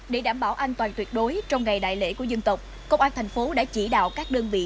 để đảm bảo an toàn tuyệt đối trong ngày đại lễ của dân tộc công an thành phố đã chỉ đạo các đơn vị